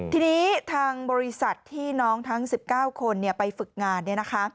ทีนี้ทางบริษัทที่น้องทั้ง๑๙คนไปฝึกงานเนี่ยนะคะ